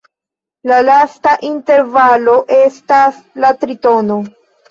La lasta intervalo estas la tritono.